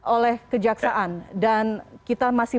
oleh kejaksaan dan kita masih